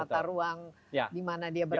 tata ruang di mana dia berada